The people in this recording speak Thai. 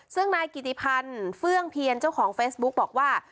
ซึ่งนายกิติพันธ์เฟื่องเพียรเจ้าของเฟซบุ๊กบอกว่า